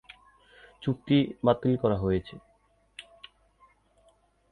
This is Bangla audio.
চুক্তি বাতিল করা হয়েছে।